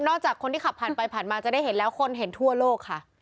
จากคนที่ขับผ่านไปผ่านมาจะได้เห็นแล้วคนเห็นทั่วโลกค่ะ